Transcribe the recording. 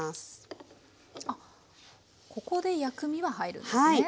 ここで薬味は入るんですね。